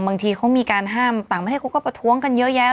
บางทีเขามีการห้ามต่างประเทศเขาก็ประท้วงกันเยอะแยะ